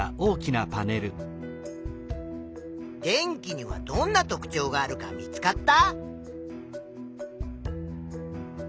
電気にはどんな特ちょうがあるか見つかった？